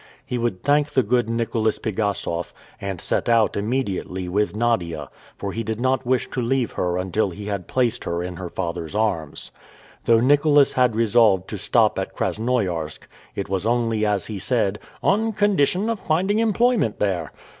He would thank the good Nicholas Pigassof, and set out immediately with Nadia, for he did not wish to leave her until he had placed her in her father's arms. Though Nicholas had resolved to stop at Krasnoiarsk, it was only as he said, "on condition of finding employment there."